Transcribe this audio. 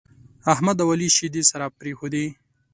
احمد او عالي شيدې سره پرېښودې.